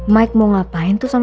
mike mau ngapain tuh sama